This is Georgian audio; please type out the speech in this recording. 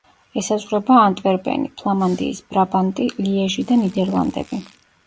ესაზღვრება ანტვერპენი, ფლამანდიის ბრაბანტი, ლიეჟი და ნიდერლანდები.